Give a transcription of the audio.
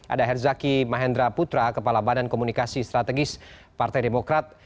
ada herzaki mahendra putra kepala badan komunikasi strategis partai demokrat